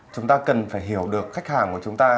chúng ta cần phải hiểu được khách hàng của chúng ta